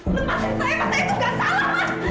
mas lepasin saya mas saya tuh gak salah mas